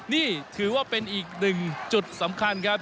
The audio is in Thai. นี่ถือว่าเป็นอีกหนึ่งจุดสำคัญครับ